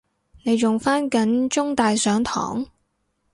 你仲返緊中大上堂？